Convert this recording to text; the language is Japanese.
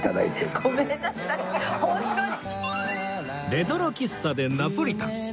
レトロ喫茶でナポリタン